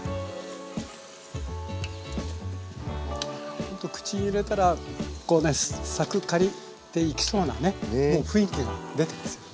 ほんと口に入れたらこうねサクッカリッていきそうなねもう雰囲気が出てますよね。